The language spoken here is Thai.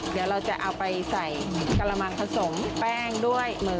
เดี๋ยวเราจะเอาไปใส่กระมังผสมแป้งด้วย